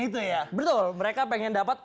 itu ya betul mereka pengen dapat